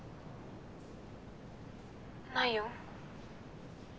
ないよ。